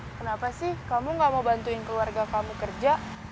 kenapa sih kamu gak mau bantuin keluarga kamu kerja